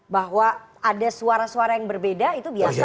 bahwa ada suara suara yang berbeda itu biasa